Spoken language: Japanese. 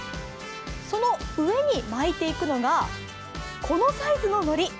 その上に巻いていくのがこのサイズののり。